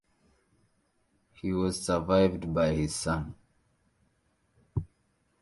He was survived by his son.